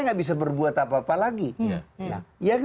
nggak bisa berbuat apa apa lagi nah yang